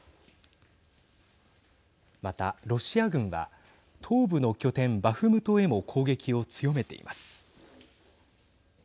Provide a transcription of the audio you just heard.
また、ロシア軍は東部の拠点バフムトへも攻撃を強めています。